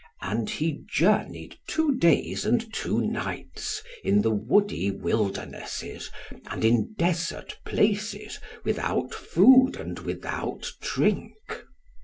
And he journeyed two days and two nights in the woody wildernesses, and in desert places, without food and without drink.